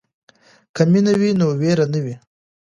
که مینه وي نو وېره نه وي.